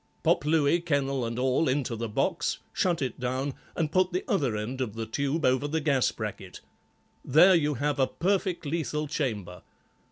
Pop Louis, kennel and all, into the box, shut it down, and put the other end of the tube over the gas bracket. There you have a perfect lethal chamber.